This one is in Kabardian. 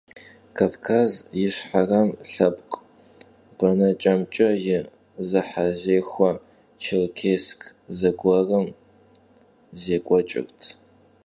Kavkaz Yişxherem lhepkh beneç'emç'e yi zehezexue Çêrkêssk zeguerım şêk'ueç'ırt.